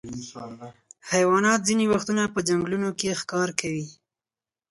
حیوانات ځینې وختونه په ځنګلونو کې ښکار کوي.